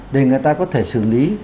để người ta có thể xử lý